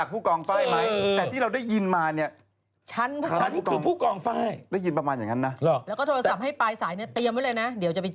พ่อแม่ฉันก็ไม่รู้จัก